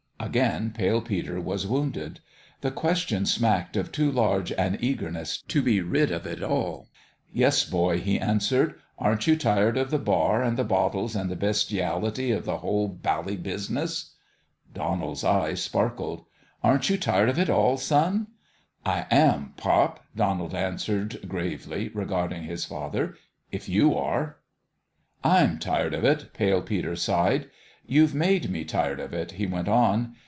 Again Pale Peter was wounded. The question smacked of too large an eagerness to be rid of it all. " Yes, boy," he answered. " Aren't you tired of the bar and the bottles and the bestiality of the whole bally business?" 318 THE END OF THE GAME Donald's eyes sparkled. " Aren't you tired of it all, son ?"" I am, pop," Donald answered, gravely re garding his father, " if you are." " I'm tired of it," Pale Peter sighed. " You've made me tired of it," he went on.